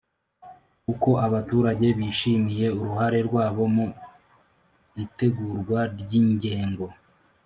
Uko abaturage bishimiye uruhare rwabo mu itegurwa ry ingengo